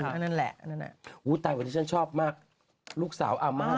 อันนั้นแหละนั่นแหละอ๋ออู้ใต้วันนี้ฉันชอบมากลูกสาวอาม่าอ่า